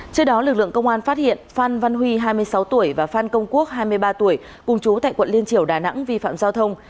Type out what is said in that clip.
trước đó lực lượng công an phát hiện phan văn huy hai mươi sáu tuổi và phan công quốc hai mươi ba tuổi cùng chú tại quận liên triều đà nẵng vi phạm giao thông